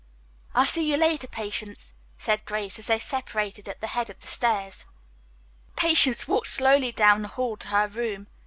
"I'll see you later, Patience," said Grace as they separated at the head of the stairs. Patience walked slowly down the hall to her room.